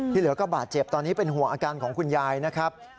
เหลือก็บาดเจ็บตอนนี้เป็นห่วงอาการของคุณยายนะครับ